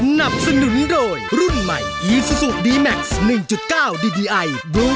โลคเล่นเด็กแดงคนเท่าคนแก่วัยรุ่น